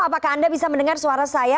apakah anda bisa mendengar suara saya